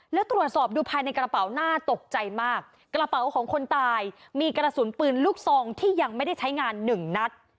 แล้วตรวจสอบดูภายในกระเป๋าน่าตกใจมากกระเป๋าของคนตายมีกระสุนปืนลูกซองที่ยังไม่ได้ใช้งานหนึ่งนัด